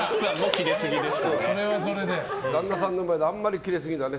旦那さんの前でキレすぎだね。